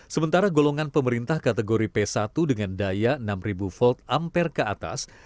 sementara golongan pemerintah kategori p satu dengan daya enam ribu volt ampere ke atas